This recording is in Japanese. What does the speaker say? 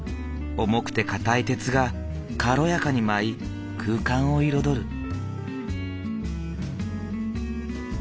重くて硬い鉄が軽やかに舞い空間を彩る。